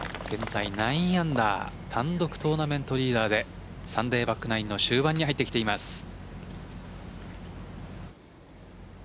現在９アンダー単独トーナメントリーダーでサンデーバックナインの終盤に入ってきています。